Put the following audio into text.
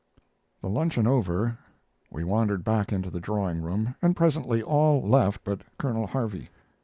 The luncheon over, we wandered back into the drawing room, and presently all left but Colonel Harvey.